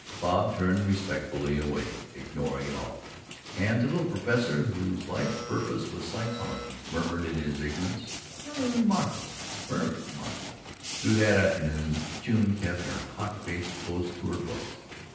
Bob turned respectfully away, ignoring it all, and the little Professor, whose life purpose was psychology, murmured in his ignorance: "Very remarkable very remarkable!" Through that afternoon June kept her hot face close to her books.